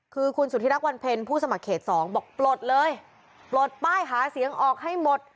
คือคุณสุธิรักวันเพ็ญผู้สมัครเขต๒บอกปลดเลยปลดป้ายหาเสียงออกให้หมด